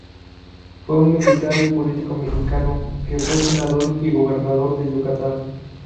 Fue un militar y político mexicano, que fue Senador y Gobernador de Yucatán.